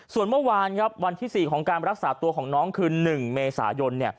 ส่วนเมื่อวานครับวันที่๔ของการรักษาตัวของน้องคือ๑เมษายน